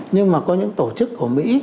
nhưng mà có những tổ chức của mỹ